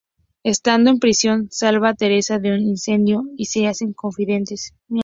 Estando en prisión salva a Teresa de un incendio y se hacen confidentes.